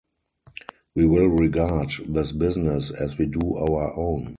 We will regard this business as we do our own.